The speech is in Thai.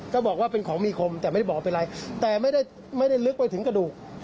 ก็บอกว่าเป็นของมีคมแต่ไม่ได้บอกเป็นไรแต่ไม่ได้ลึกไปถึงกระดูก